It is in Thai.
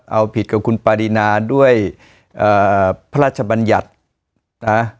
เอาผิดกับคุณปารีนาด้วยพระราชบัญญัตินะ